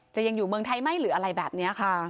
ยังอยู่เมืองไทยไหมหรืออะไรแบบนี้ค่ะ